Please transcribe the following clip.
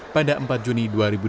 pada empat juni dua ribu dua puluh